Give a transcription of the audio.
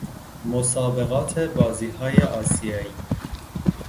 مسابقات بازی های آسیائی